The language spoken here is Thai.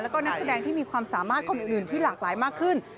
แล้วก็นักแสดงที่มีความสามารถคนอื่นที่หลากหลายมากขึ้น